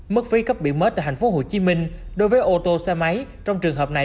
mức phí cấp biển mất tại tp hcm đối với ô tô xe máy trong trường hợp này